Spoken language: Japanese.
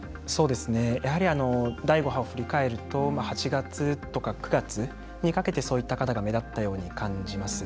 やはり第５波を振り返ると８月とか９月にかけてそういった方が目立ったように感じます。